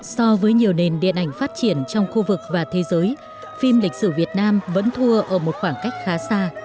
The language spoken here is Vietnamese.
so với nhiều nền điện ảnh phát triển trong khu vực và thế giới phim lịch sử việt nam vẫn thua ở một khoảng cách khá xa